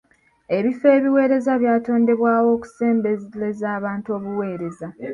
Ebifo ebiweereza byatondebwawo okusembereza abantu obuweereza.